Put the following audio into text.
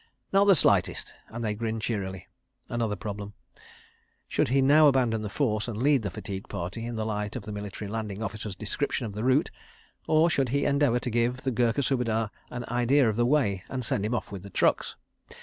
Not the slightest, and they grinned cheerily. Another problem! Should he now abandon the force and lead the fatigue party in the light of the Military Landing Officer's description of the route, or should he endeavour to give the Gurkha Subedar an idea of the way, and send him off with the trucks?